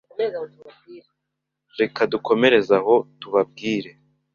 Reka dukomereze aho tubabwire